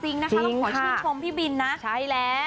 จริงค่ะใช่แล้วแล้วขอช่วยชมพี่บินนะ